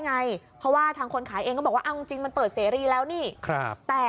ไงเพราะว่าทางคนขายเองมึงจริงมันเปิดเสรีแล้วนี่แต่